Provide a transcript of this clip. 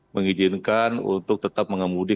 mengizinkan untuk tetap mengemudi